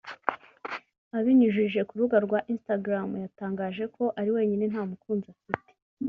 abinyujije ku rubuga rwa Instagram yatangaje ko ari wenyine nta mukunzi afite